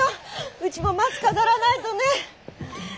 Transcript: うちも松飾らないとね。